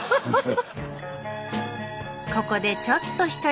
ここでちょっと一息。